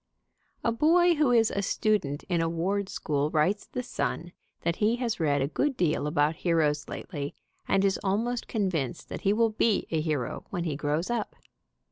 A boy who is a student in a ward school writes The Sun that he has read a good deal about heroes lately, and is almost convinced that he will be a hero when he grows up.